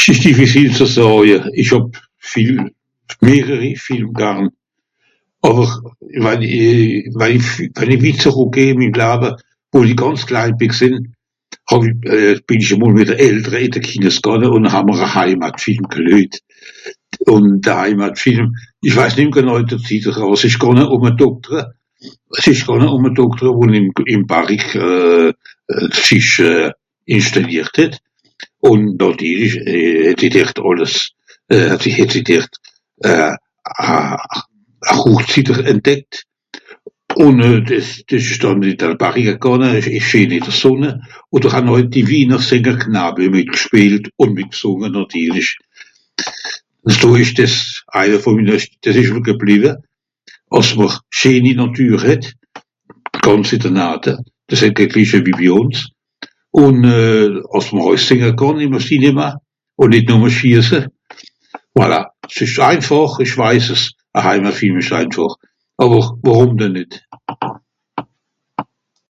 S'ìsch difficile ze sàje, ìch hàb Film, mehreri Film garn, àwer, wann i... wann i... wann i viel zerùckgeh ìn minn Lawa, wo-n-i gànz klei bì gsìnn, hàw-i euh... bìn ìch e mol mìt de Eltre ì de Kines gànge ùn haa'mr a Heimatfilm geluejt. Ùn de Heimatfilm, ìch weis nìmm genàui de Titer àwer s'ìsch gànge ùm e Doktere, s'ìsch gànge ùm e Dokter wo-n-ìm... ìm Barri euh... sich inschtàlliert het. Ùn nàtirlich het sie der àlles euh... sie het si dert euh... a (...) entdeckt. Ùn euh... dìs...dìs ìsch dànn ìn da Barri gegànge ìsch... ìsch scheen ìn de gsùnge, odder han àui die (...) mìtgspìelt, ùn mìtgsùnge nàtirlich. Ùn so ìsch dìs eine vùn minne sch... dàs ìsch schon gebliwe, àss mr scheeni Nàtür het, gànz ì de Nahde, dìs (...) bi ùns. ùn euh... àss mr àui sìnge kànn ìn de Cinéma, ùn nìt nùmme schiesse. Voilà, s'ìsch einfàch èich weis es. A Heimatfilm ìsch einfàch, àwer, worùm dànn nìt ?